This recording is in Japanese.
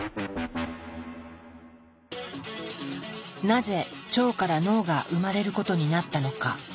なぜ腸から脳が生まれることになったのか。